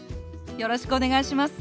よろしくお願いします。